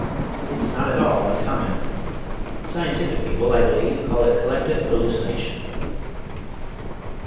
It's not at all uncommon. Scientific people, I believe, call it 'Collective Hallucination.'"